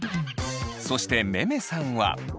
そしてめめさんは。